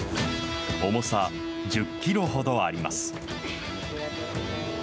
重さ１０キロほどあります。